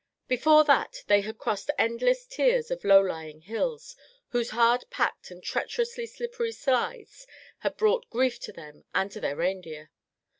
Before that they had crossed endless tiers of low lying hills whose hard packed and treacherously slippery sides had brought grief to them and to their reindeer.